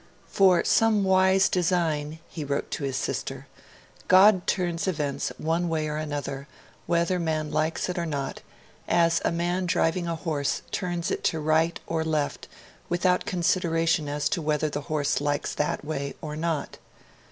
'For some wise design,' he wrote to his sister, 'God turns events one way or another, whether man likes it or not, as a man driving a horse turns it to right or left without consideration as to whether the horse likes that way or not.